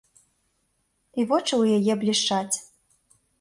І вочы ў яе блішчаць.